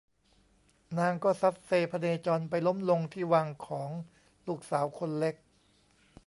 นางก็ซัดเซพเนจรไปล้มลงที่วังของลูกสาวคนเล็ก